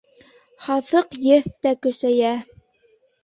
Һаҫыҡ еҫ тә көсәйә.